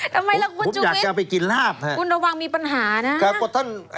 ทำไมล่ะคุณจุมิตคุณระวังมีปัญหานะ